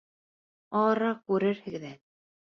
Арыраҡ күрерһегеҙ әле.